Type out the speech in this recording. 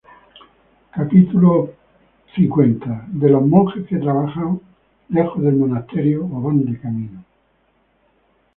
Cap L: De los monjes que trabajan lejos del monasterio o van de camino.